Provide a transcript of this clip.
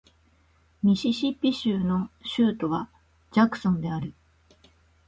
ミシシッピ州の州都はジャクソンである